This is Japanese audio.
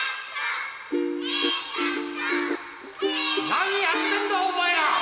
何やってんだお前ら！